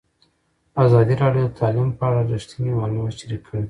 ازادي راډیو د تعلیم په اړه رښتیني معلومات شریک کړي.